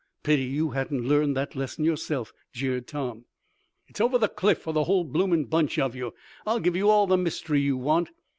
"Pity you hadn't learned that lesson yourself," jeered Tom. "It's over the cliff for the whole blooming bunch of you. I'll give you all the mystery you want."